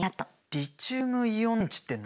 リチウムイオン電池って何？